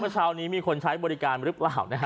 ไปเท้านี้มีคนใช้บริการหรือเปล่านะฮะฮ่าฮ่า